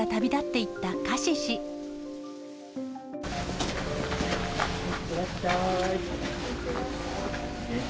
いってらっしゃい。